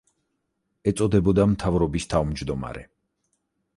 ეწოდებოდა მთავრობის თავმჯდომარე.